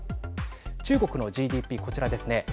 中国のＧＤＰこちらですね。